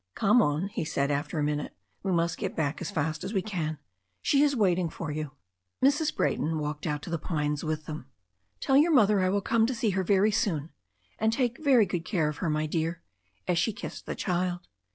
"Come on," he said after a minute. "We must get back as fast as we can. She is waiting for you." Mrs. Brayton walked out to the pines with them. "Tell your mother I will come to see her very soon. And take very good care of her, my dear," as she kissed the child.